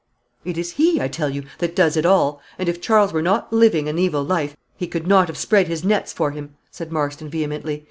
"It is he, I tell you, that does it all; and if Charles were not living an evil life, he could not have spread his nets for him," said Marston, vehemently.